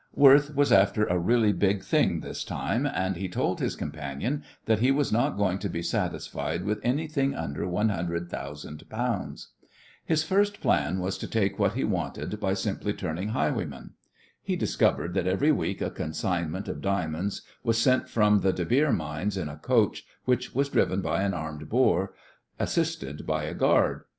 Worth was after a really big thing this time, and he told his companion that he was not going to be satisfied with anything under one hundred thousand pounds. His first plan was to take what he wanted by simply turning highwayman. He discovered that every week a consignment of diamonds was sent from the De Beer mines in a coach, which was driven by an armed Boer, assisted by a guard.